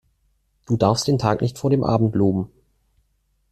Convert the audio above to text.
Du darfst den Tag nicht vor dem Abend loben.